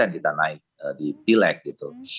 kita naik di pileg gitu